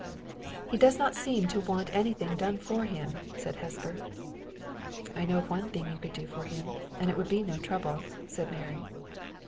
"He does not seem to want anything done for him," said Hesper. "I know one thing you could do for him, and it would be no trouble," said Mary.